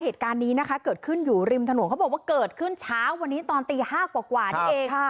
เหตุการณ์นี้นะคะเกิดขึ้นอยู่ริมถนนเขาบอกว่าเกิดขึ้นเช้าวันนี้ตอนตี๕กว่านี่เอง